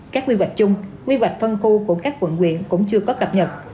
các quy hoạch chung quy hoạch phân khu của các quận quyện cũng chưa có cập nhật